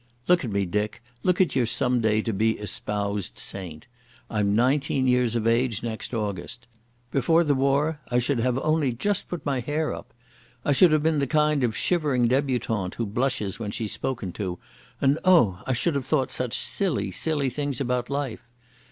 "Look at me, Dick, look at your someday to be espouséd saint. I'm nineteen years of age next August. Before the war I should have only just put my hair up. I should have been the kind of shivering debutante who blushes when she's spoken to, and oh! I should have thought such silly, silly things about life....